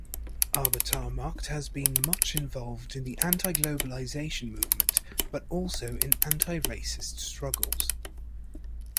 Arbetarmakt has been much involved in the anti-globalisation movement, but also in anti-racist struggles.